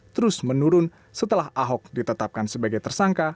terus menurun setelah ahok ditetapkan sebagai tersangka